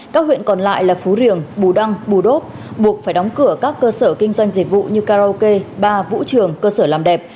các huyện còn lại là phú riềng bù đăng bù đốp buộc phải đóng cửa các cơ sở kinh doanh dịch vụ như karaoke ba vũ trường cơ sở làm đẹp